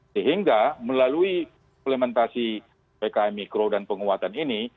sehingga melalui implementasi pkm mikro dan penguatan ini